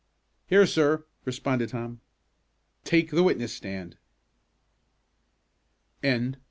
"Here, sir," responded Tom. "Take the witness stand."